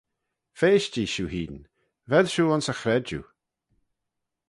Feysht-jee shiu hene, vel shiu ayns y chredjue.